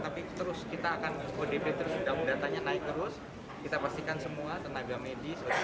tapi terus kita akan odp terus datanya naik terus kita pastikan semua tenaga medis